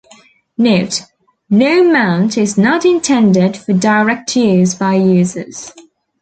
Note, gnome-mount is not intended for direct use by users.